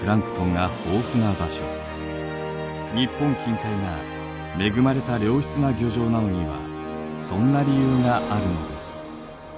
日本近海が恵まれた良質な漁場なのにはそんな理由があるのです。